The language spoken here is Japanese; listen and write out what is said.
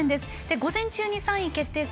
午前中に３位決定戦